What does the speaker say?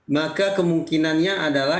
maka kemungkinannya adalah